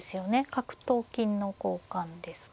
角と金の交換ですか。